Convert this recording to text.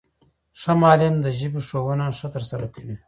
ښه معلم د ژبي ښوونه ښه ترسره کوي.